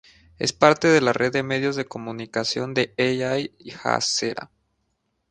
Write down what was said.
Es parte de la red de medios de comunicación de Al Jazeera.